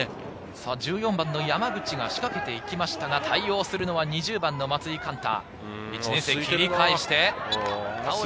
１４番・山口が仕掛けていきましたが、対応するのは２０番の松井貫太。